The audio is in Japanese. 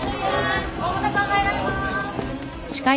大牟田さん入られます。